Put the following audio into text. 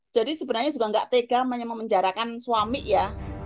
jadi sebenarnya juga nggak tega menjarakan suami ya